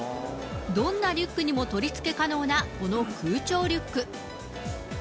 どんなリュックにも取り付け可能なこの空調リュック。